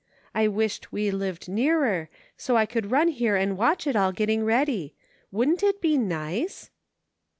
I wished we lived nearer, so I couU run here and watch it all, getting ready. Wouldn't it be nice